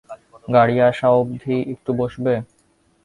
গাড়ি আসা অব্ধি একটু বসবে?